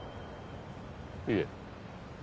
いえ。